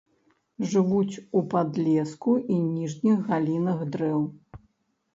Жывуць у падлеску і ніжніх галінах дрэў.